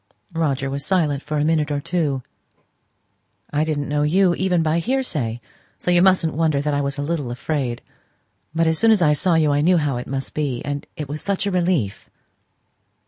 Roger was silent for a minute or two. "I didn't know you, even by hearsay. So you mustn't wonder that I was a little afraid. But as soon as I saw you I knew how it must be; and it was such a relief!"